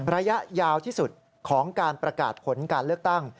ระยะยาวที่สุดของการประกาศผลการเลือกตั้ง